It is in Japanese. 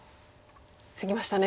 ツギましたね。